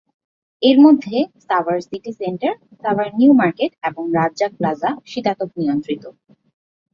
এর মধ্যে Savar city centre, Savar new market এবং রাজ্জাক প্লাজা শীতাতপ নিয়ন্ত্রিত।